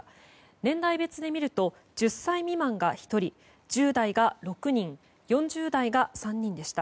年代別で見ると１０歳未満が１人１０代が６人４０代が３人でした。